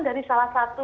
dari salah satu